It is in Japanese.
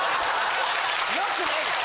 よくないです。